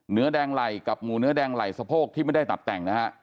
เนื้อแดงไหล่กับหมูเนื้อแดงไหล่สะโพกที่ไม่ได้ตัดแต่งนะฮะ